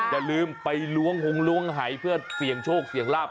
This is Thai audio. อย่าลืมไปล้วงหงล้วงหายเพื่อเสี่ยงโชคเสี่ยงลาบ